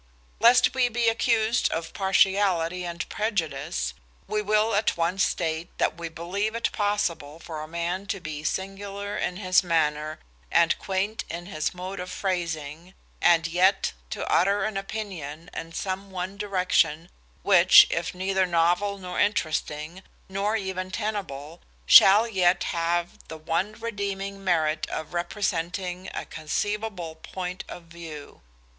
"Lest we be accused of partiality and prejudice, we will at once state that we believe it possible for a man to be singular in his manner and quaint in his mode of phrasing, and yet to utter an opinion in some one direction which, if neither novel nor interesting, nor even tenable, shall yet have the one redeeming merit of representing a conceivable point of view.